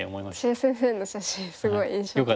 謝先生の写真すごい印象的でしたね。